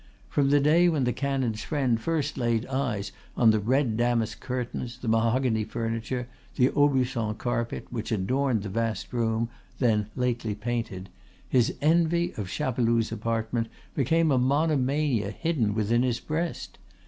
From the day when the canon's friend first laid eyes on the red damask curtains, the mahogany furniture, the Aubusson carpet which adorned the vast room, then lately painted, his envy of Chapeloud's apartment became a monomania hidden within his breast.